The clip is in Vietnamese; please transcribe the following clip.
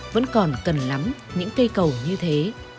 vẫn còn cần lắm những cây cầu như thế